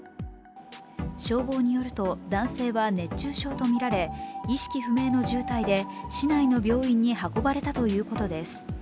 消防によると男性は熱中症とみられ意識不明の重体で市内の病院に運ばれたということです。